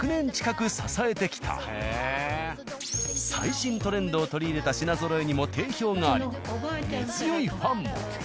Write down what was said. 最新トレンドを取り入れた品ぞろえにも定評があり根強いファンも。